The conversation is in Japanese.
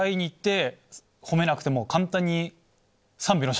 褒めなくても簡単に。